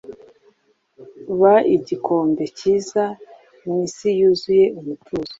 ba igikombe cyiza mwisi yuzuye umutuzo